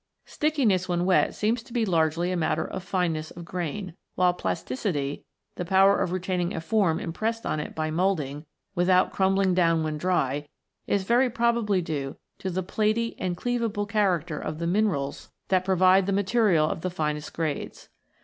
Stickiness when wet seems to be largely a matter of fineness of grain, while plasticity, the power of retaining a form impressed on it by moulding, with out crumbling down when dry, is very probably due to the platy and cleavable, character of the minerals 82 ROCKS AND THEIR ORIGINS [CH. that provide the material of the finest grades.